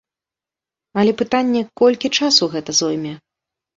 Але пытанне, колькі часу гэта зойме.